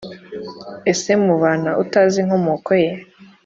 Ese mubana utazi inkomoko ye